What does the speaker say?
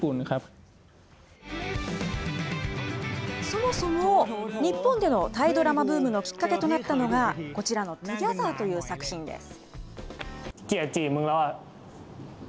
そもそも、日本でのタイドラマブームのきっかけとなったのが、こちらのトゥギャザーという作品です。